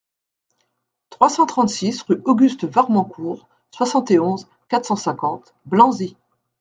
trois cent trente-six rue Auguste Varmancourt, soixante et onze, quatre cent cinquante, Blanzy